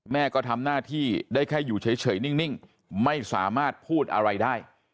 แม่ก็ทำหน้าที่ได้แค่อยู่เฉยนิ่งไม่สามารถพูดอะไรได้